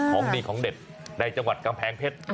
ของดีของเด็ดในจังหวัดกำแพงเพชร